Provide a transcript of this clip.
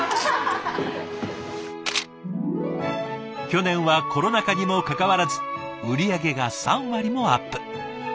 去年はコロナ禍にもかかわらず売り上げが３割もアップ。